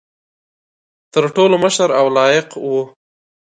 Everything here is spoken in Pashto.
تر ټولو مشر او لایق وو.